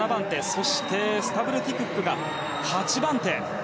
そして、スタブルティ・クックが８番手。